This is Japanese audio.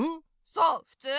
そうふつう。